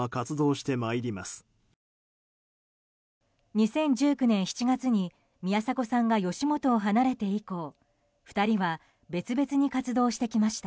２０１９年７月に宮迫さんが吉本を離れて以降２人は別々に活動してきました。